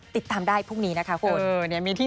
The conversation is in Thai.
ติดตามได้พรุ่งนี้นะคะคุณ